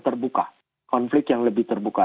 terbuka konflik yang lebih terbuka